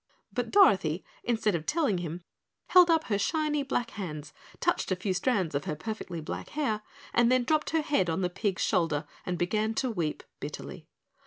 But Dorothy, instead of telling him, held up her shiny black hands, touched a few strands of her perfectly black hair, and then dropping her head on the pig's shoulder began to weep bitterly.